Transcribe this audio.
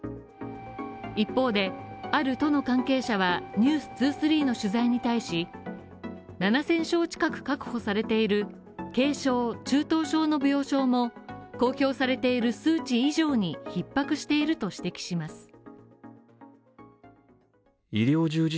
一方で、ある都の関係者は、「ｎｅｗｓ２３」の取材に対し７０００床近く確保されている軽症・中等症の病床も公表されている数値以上にひっ迫していると指摘します。